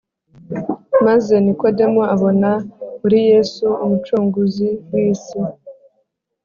maze Nikodemo abona muri Yesu Umucunguzi w’isi